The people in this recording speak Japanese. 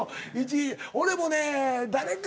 俺もね誰か。